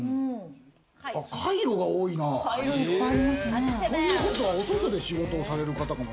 カイロが多いな。ということはお外で仕事をされる方かも。